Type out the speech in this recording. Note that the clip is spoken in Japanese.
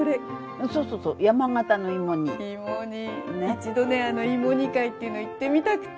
一度ね芋煮会っていうの行ってみたくて！